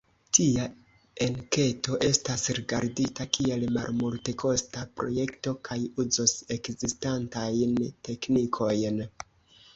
Tia enketo estas rigardita kiel malmultekosta projekto kaj uzos ekzistantajn teknikojn.